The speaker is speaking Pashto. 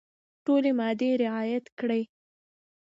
ټولي مادې رعیات کړي.